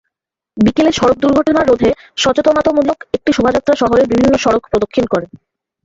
বিকেলে সড়ক দুর্ঘটনা রোধে সচেতনতামূলক একটি শোভাযাত্রা শহরের বিভিন্ন সড়ক প্রদক্ষিণ করে।